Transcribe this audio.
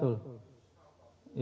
karena percaya saya